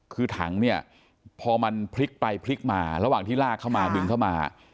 คือถังเนี่ยพอมันพลิกไปพลิกมาระหว่างที่ลากเข้ามาดึงเข้ามา